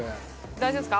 大丈夫すか？